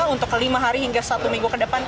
untuk lima hari hingga satu minggu ke depan